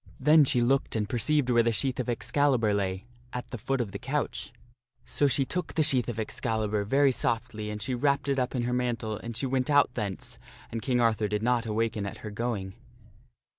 Then she looked and perceived where the sheath of Excalibur lay at the foot of the 2 oo THE STORY OF MERLIN couch. So she took the sheath of Excalibur very softly and she wrapped it up in her mantle and she went out thence, and King Arthur did not awaken at her going.